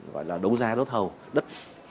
gọi là đấu giá đốt thầu đất